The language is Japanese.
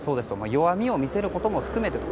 弱みを見せることも含めてと。